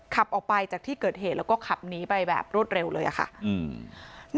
ขับออกไปจากที่เกิดเหตุแล้วก็ขับหนีไปแบบรวดเร็วเลยอะค่ะ